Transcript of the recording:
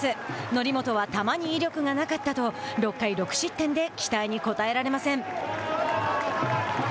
則本は、球に威力がなかったと６回６失点で期待に応えられません。